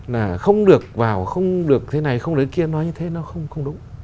là không được vào không được thế này không đến kia nói như thế nó không đúng